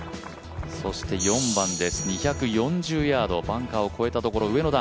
そして４番です、２４０ヤード、バンカーを越えたところ、上の段。